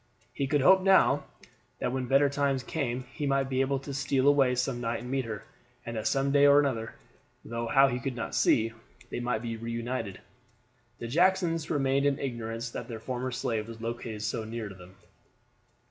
He could hope now that when better times came he might be able to steal away some night and meet her, and that some day or other, though how he could not see, they might be reunited. The Jacksons remained in ignorance that their former slave was located so near to them.